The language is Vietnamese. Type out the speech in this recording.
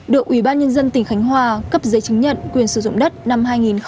được ủy ban nhân dân tỉnh khánh hòa cấp giấy chứng nhận quyền sử dụng đất năm hai nghìn sáu